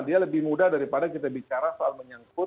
dia lebih mudah daripada kita bicara soal menyangkut